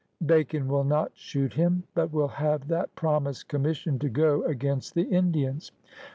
*' Bacon will not shoot him, but will have that promised commission to go against the Indians.